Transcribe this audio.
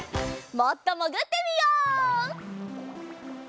もっともぐってみよう！